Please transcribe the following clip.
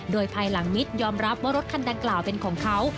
โดยภายหลังมิตรยอมรับว่ารถคันดังกล่าวเป็นของเขา